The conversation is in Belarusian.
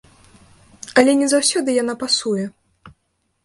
Але не заўсёды яна пасуе.